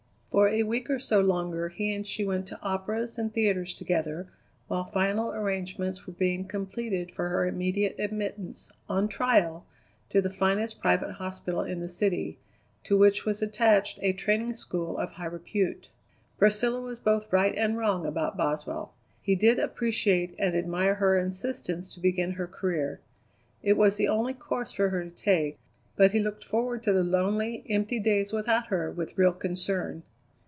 For a week or so longer he and she went to operas and theatres together while final arrangements were being completed for her immediate admittance, on trial, to the finest private hospital in the city, to which was attached a training school of high repute. Priscilla was both right and wrong about Boswell. He did appreciate and admire her insistence to begin her career. It was the only course for her to take; but he looked forward to the lonely, empty days without her with real concern.